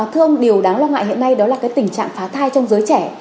thưa ông điều đáng lo ngại hiện nay đó là tình trạng phá thai trong giới trẻ